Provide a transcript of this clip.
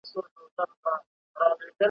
په جوپو جوپو به دام ته نه ورتللې ,